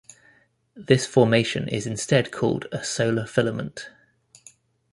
This formation is instead called a solar filament.